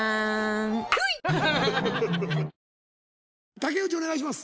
竹内お願いします。